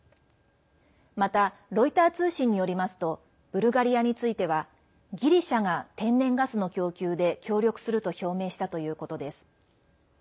また、ロイター通信によりますとブルガリアについてはギリシャが天然ガスの供給で協力すると表明したということです。